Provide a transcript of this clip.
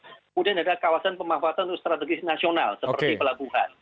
kemudian ada kawasan pemanfaatan untuk strategis nasional seperti pelabuhan